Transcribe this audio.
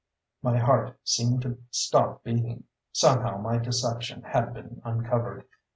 _" My heart seemed to stop beating. Somehow, my deception had been uncovered.